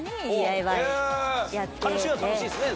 楽しいは楽しいですね